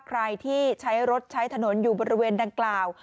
ใครที่ใช้รถใช้ถนนอยู่บริเวณดังกล่าว